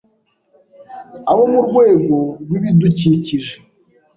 abo mu rwego rw’ibidukikije